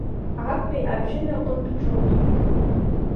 Актәи абжьынаҟынтәҿылҭуеит.